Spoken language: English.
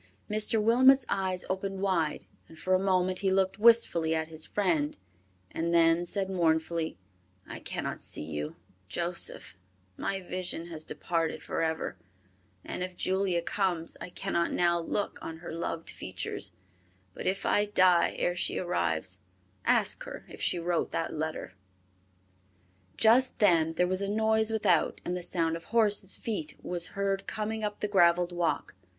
Mr. Wilmot's eyes opened wide and for a moment he looked wistfully at his friend, and then said mournfully, "I cannot see you, Joseph, my vision has departed forever, and if Julia comes, I cannot now look on her loved features, but if I die ere she arrives, ask her if she wrote that letter." Just then there was a noise without, and the sound of horses' feet was heard coming up the graveled walk.